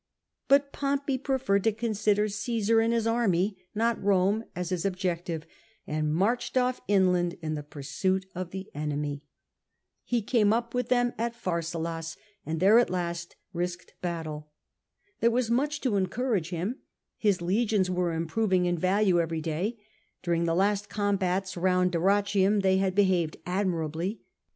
But Pompey preferred to consider Csesar and his army, not Eome, as his objective, and marched off inland in pursuit of the enemy. He came up with them at Phar salus, and there at last risked battle. There was much to encourage him : his legions were improving in value every day; during the last combats round Dyrrhachium they had behaved admirably.